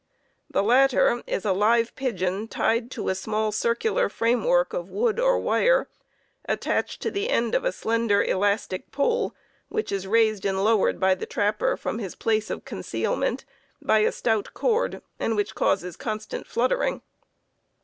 The latter is a live pigeon tied to a small circular framework of wood or wire attached to the end of a slender and elastic pole, which is raised and lowered by the trapper from his place of concealment by a stout cord and which causes constant fluttering.